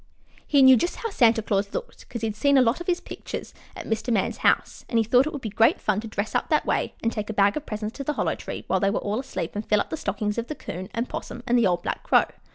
He knew just how Santa Claus looked, 'cause he'd seen lots of his pictures at Mr. Man's house, and he thought it would be great fun to dress up that way and take a bag of presents to the Hollow Tree while they were all asleep and fill up the stockings of the 'Coon and 'Possum and the old black Crow.